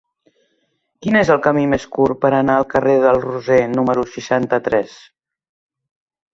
Quin és el camí més curt per anar al carrer del Roser número seixanta-tres?